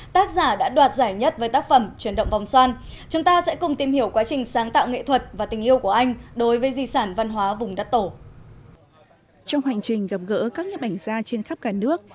trong hành trình gặp gỡ các nhếp ảnh gia trên khắp cả nước